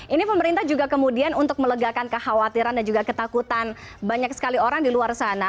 ini pemerintah juga kemudian untuk melegakan kekhawatiran dan juga ketakutan banyak sekali orang di luar sana